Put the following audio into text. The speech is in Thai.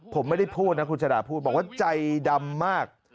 ผมไม่ได้พูดนะคุณชาดาพูดบอกว่าใจดำมาก